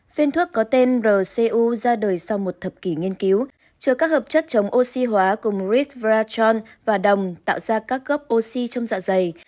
phiên thuốc có tên rcu ra đời sau một thập kỷ nghiên cứu chứa các hợp chất chống oxy hóa cùng ris rradchon và đồng tạo ra các gốc oxy trong dạ dày